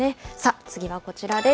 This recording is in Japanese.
次はこちらです。